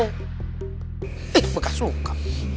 eh bekas luka